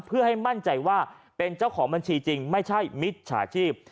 เพื่อให้มั่นใจว่าเป็นเจ้าของบัญชีจริงไม่ใช่มิจฉาชีพ